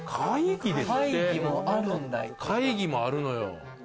会議もあるのよ。